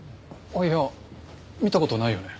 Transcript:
いや見た事ないよね？